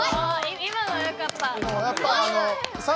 ・今のよかった。